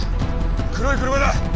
黒い車だ！